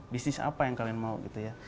bisnis apa yang kalian mau gitu ya